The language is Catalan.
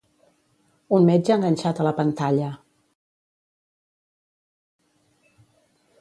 un metge enganxat a la pantalla